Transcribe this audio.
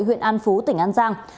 huyện an phú tỉnh an giang